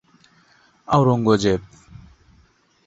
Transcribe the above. Aurangzeb